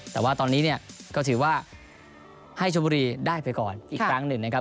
แต่ว่าตอนนี้เนี่ยก็ถือว่าให้ชมบุรีได้ไปก่อนอีกครั้งหนึ่งนะครับ